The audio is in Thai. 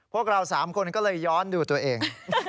พวกเรา๓คนก็เลยย้อนดูตัวเอง